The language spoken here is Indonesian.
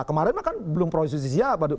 kemarin kan belum prosesusia apa